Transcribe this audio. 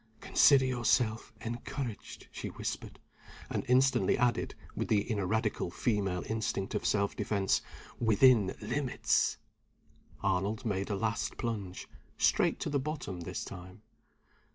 "Consider yourself encouraged," she whispered; and instantly added, with the ineradicable female instinct of self defense, "within limits!" Arnold made a last plunge straight to the bottom, this time.